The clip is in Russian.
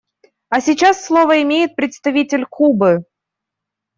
А сейчас слово имеет представитель Кубы.